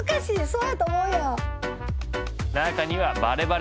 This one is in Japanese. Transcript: そうやと思うやん。